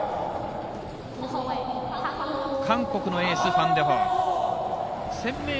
韓国のエース、ファン・デホン。